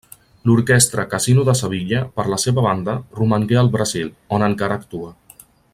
L'Orquestra Casino de Sevilla, per la seva banda, romangué al Brasil, on encara actua.